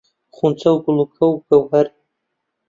خونچە و گوڵووک و گەوەر